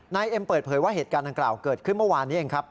เอ็มเปิดเผยว่าเหตุการณ์ดังกล่าวเกิดขึ้นเมื่อวานนี้เองครับ